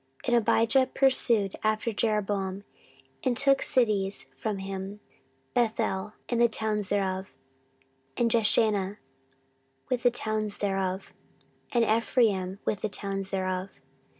14:013:019 And Abijah pursued after Jeroboam, and took cities from him, Bethel with the towns thereof, and Jeshanah with the towns thereof, and Ephraim with the towns thereof.